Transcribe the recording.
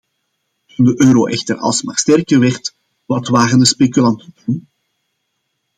Toen de euro echter alsmaar sterker werd, wat waren de speculanten toen?